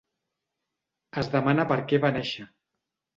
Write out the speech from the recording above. Es demana per què va néixer.